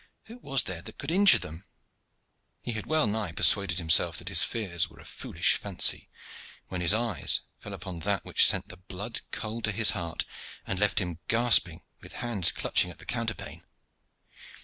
Who was there that could injure them? He had well nigh persuaded himself that his fears were a foolish fancy, when his eyes fell upon that which sent the blood cold to his heart and left him gasping, with hands clutching at the counterpane.